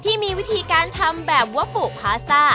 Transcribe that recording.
ที่มีวิธีการทำแบบวอฟุปาสตาร์